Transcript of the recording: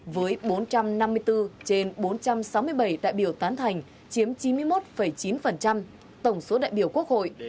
với bốn trăm năm mươi bốn trên bốn trăm sáu mươi bảy đại biểu tán thành chiếm chín mươi một chín tổng số đại biểu quốc hội